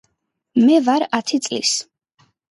მე ვარ ათი წლის